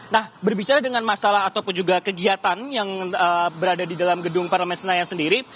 nah berbicara dengan masalah ataupun juga kegiatan yang berada di dalam gedung parlemen senayan sendiri